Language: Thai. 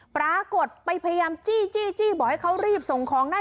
ปรากฏไปพยายามจี้บอกให้เขารีบส่งของนั่น